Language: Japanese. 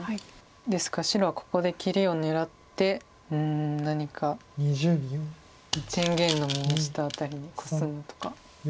ですから白はここで切りを狙ってうん何か天元の右下辺りにコスむとか。